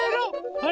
あれ？